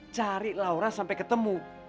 cari laura sampai ketemu